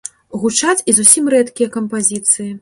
Гучаць і зусім рэдкія кампазіцыі.